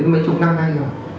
đến mấy chục năm nay rồi